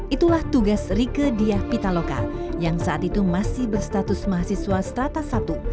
itulah tugas rike diah pitaloka yang saat itu masih berstatus mahasiswa strata satu